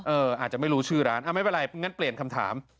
อาจจะไม่รู้ชื่อร้านไม่เป็นไรงั้นเปลี่ยนคำถาม